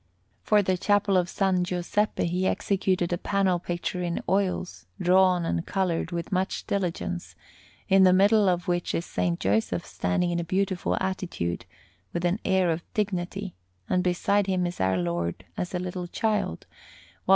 For the Chapel of S. Giuseppe he executed a panel picture in oils, drawn and coloured with much diligence, in the middle of which is S. Joseph standing in a beautiful attitude, with an air of dignity, and beside him is Our Lord as a little Child, while S.